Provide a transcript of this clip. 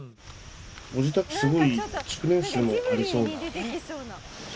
ご自宅すごい築年数ありそうな。